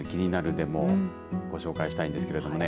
でもご紹介したいんですけれどもね。